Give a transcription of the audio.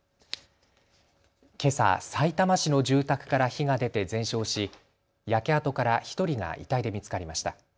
けさ、さいたま市の住宅から火が出て全焼し焼け跡から１人が遺体で見つかりました。